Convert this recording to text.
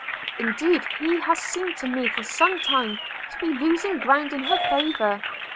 Indeed he has seemed to me for some time to be losing ground in her favour.